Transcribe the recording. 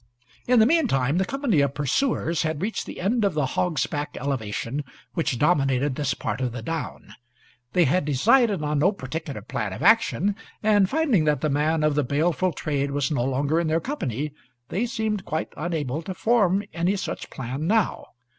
In the meantime the company of pursuers had reached the end of the hog's back elevation which dominated this part of the coomb. They had decided on no particular plan of action, and, finding that the man of the baleful trade was no longer in their company, they seemed quite unable to form any such plan now.